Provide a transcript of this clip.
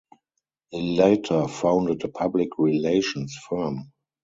He later founded a public relations firm.